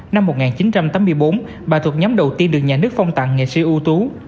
năm một nghìn chín trăm tám mươi bốn bà thuộc nhóm đầu tiên được nhà nước phong tặng nghệ sĩ ưu tú